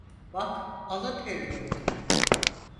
Bak, alın teri döktük.